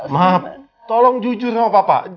maaf tolong jujur sama bapak